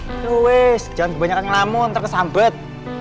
eh weh jangan kebanyakan ngelamun ntar kesambet